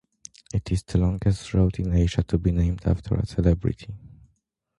It is the longest road in Asia to be named after a celebrity.